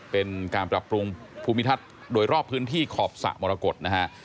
เป็นการปรับปรุงภูมิทัศน์โดยรอบพื้นที่ขอบสระมรกฏนะฮะ